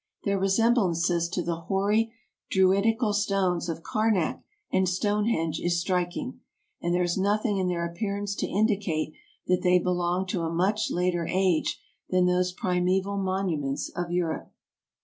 Their resemblance to the hoary Druid ical stones of Carnac and Stonehenge is striking, and there is nothing in their appearance to indicate that they belong to a much later age than those primeval monuments of Europe.